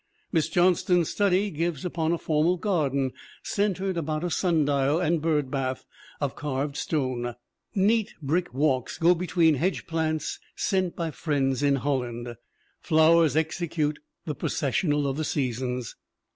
Miss Johnston's study gives upon a formal garden centered about a sundial and bird bath of carved stone. Neat brick walks go between hedge plants sent by friends in Holland. Flowers execute the processional of the seasons.